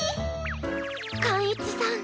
貫一さん。